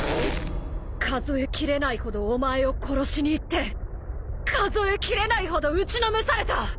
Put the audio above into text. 数えきれないほどお前を殺しに行って数えきれないほど打ちのめされた！